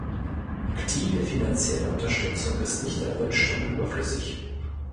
Aktive finanzielle Unterstützung ist nicht erwünscht und überflüssig.